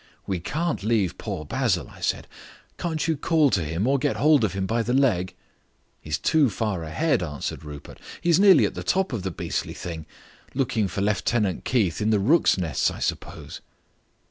"We can't leave poor Basil," I said. "Can't you call to him or get hold of him by the leg?" "He's too far ahead," answered Rupert; "he's nearly at the top of the beastly thing. Looking for Lieutenant Keith in the rooks' nests, I suppose."